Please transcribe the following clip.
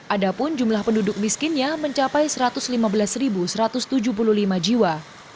adapun jumlah penduduk miskinnya mencapai satu ratus lima belas satu ratus tujuh puluh lima jiwa